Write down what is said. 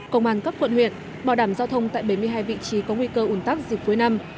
công an cấp quận huyện bảo đảm giao thông tại bảy mươi hai vị trí có nguy cơ ủn tắc dịp cuối năm